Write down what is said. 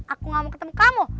aku gak mau ketemu kamu